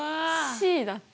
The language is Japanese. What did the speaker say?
「Ｃ」だって。